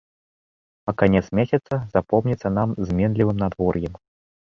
А канец месяца запомніцца нам зменлівым надвор'ем.